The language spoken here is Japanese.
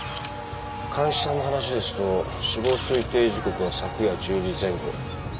鑑識さんの話ですと死亡推定時刻は昨夜１０時前後。